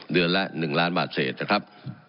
เดือนละ๑ล้านบาทเศษนะครับ